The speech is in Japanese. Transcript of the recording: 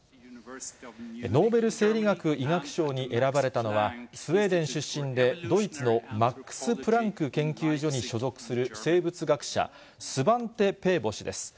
ノーベル生理学・医学賞に選ばれたのは、スウェーデン出身で、ドイツのマックス・プランク研究所に所属する生物学者、スバンテ・ペーボ氏です。